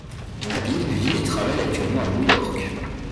Nabil vit et travaille actuellement à New York.